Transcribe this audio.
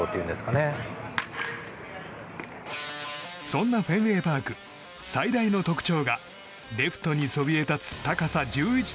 そんなフェンウェイ・パーク最大の特徴がレフトにそびえ立つ高さ